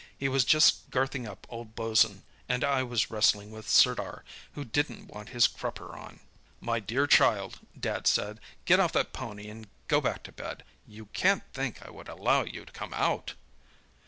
He was just girthing up old Bosun, and I was wrestling with Sirdar, who didn't want his crupper on. "'My dear child,' Dad said, 'get off that pony and go back to bed. You can't think I could allow you to come out?